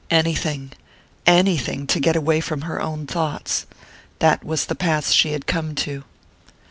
Anything anything to get away from her own thoughts! That was the pass she had come to.